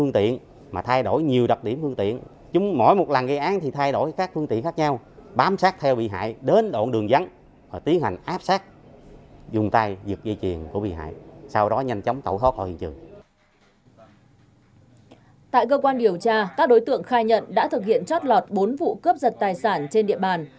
tại cơ quan điều tra các đối tượng khai nhận đã thực hiện trót lọt bốn vụ cướp giật tài sản trên địa bàn